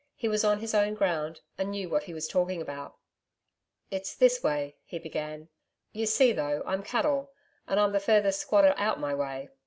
He was on his own ground and knew what he was talking about. 'It's this way,' he began. 'You see, though, I'm cattle and I'm the furthest squatter out my way.